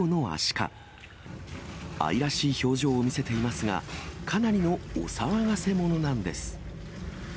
愛らしい表情を見せていますが、かなりのお騒がせものなんです。